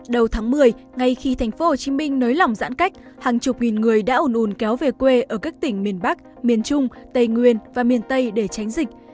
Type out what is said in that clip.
đầu tháng một mươi ngay khi thành phố hồ chí minh nới lỏng giãn cách hàng chục nghìn người đã ồn ồn kéo về quê ở các tỉnh miền bắc miền trung tây nguyên và miền tây để tránh dịch